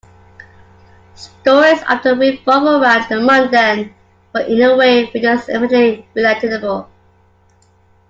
Stories often revolve around the mundane, but in a way which is eminently relatable.